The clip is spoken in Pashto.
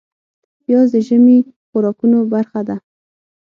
پیاز د ژمي خوراکونو برخه ده